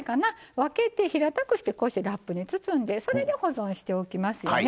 分けて平たくしてラップに包んでそれで保存しておきますよね。